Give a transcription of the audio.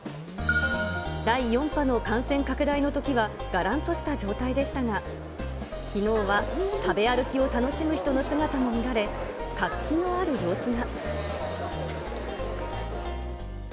第４波の感染拡大のときはがらんとした状態でしたが、きのうは食べ歩きを楽しむ人の姿も見られ、活気のある様子が。